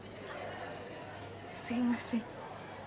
すみません。